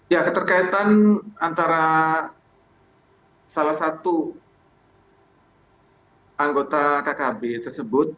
ya keterkaitan antara salah satu anggota kkb tersebut